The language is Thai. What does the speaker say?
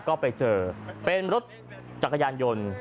ก็ไปเจอเป็นรถจักรยานยนต์